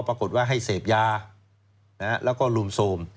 ปรากฏว่าให้เสพยาแล้วก็ลุมโทรม